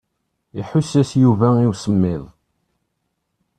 Iḥuss-as Yuba i usemmiḍ.